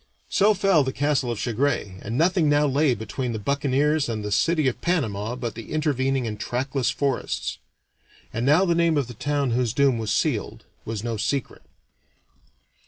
So fell the castle of Chagres, and nothing now lay between the buccaneers and the city of Panama but the intervening and trackless forests. And now the name of the town whose doom was sealed was no secret.